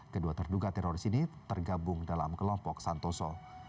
kedua terduga teroris ini tergabung dalam kelompok santoso